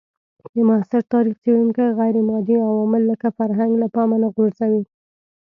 د معاصر تاریخ څېړونکي غیرمادي عوامل لکه فرهنګ له پامه نه غورځوي.